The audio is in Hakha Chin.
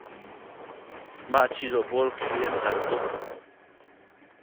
Mah chizawh pawl khi an tar tuk.